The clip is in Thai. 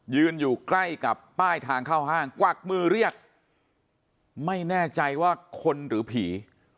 อยู่ใกล้กับป้ายทางเข้าห้างกวักมือเรียกไม่แน่ใจว่าคนหรือผี